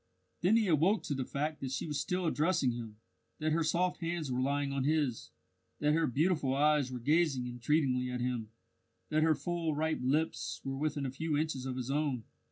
Then he awoke to the fact that she was still addressing him, that her soft hands were lying on his, that her beautiful eyes were gazing entreatingly at him, that her full ripe lips were within a few inches of his own.